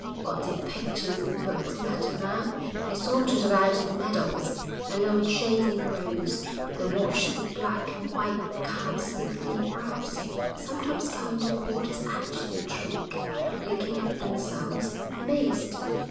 What did pictures and books matter now? They sauntered about the meadows, along shady roads; they watched the black and white cows sleepily browsing, sometimes coming to the water's edge to drink, and looking at themselves, amazed.